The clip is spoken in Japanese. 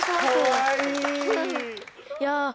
かわいい